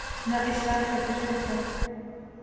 نہ اسلام خطرے میں تھا۔